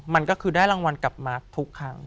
มันก็คือได้รางวัลกลับมาร์คทุกครั้ง